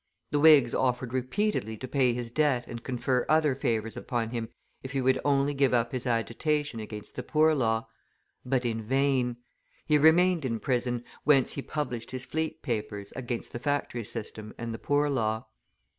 The Whigs offered repeatedly to pay his debt and confer other favours upon him if he would only give up his agitation against the Poor Law. But in vain; he remained in prison, whence he published his Fleet Papers against the factory system and the Poor Law.